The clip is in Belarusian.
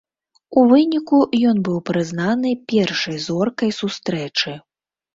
У выніку ён быў прызнаны першай зоркай сустрэчы.